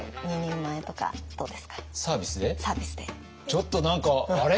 ちょっと何かあれ？